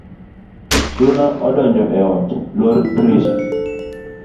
Suna donjo e ot , lor drisha